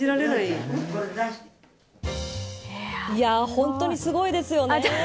本当にすごいですよね。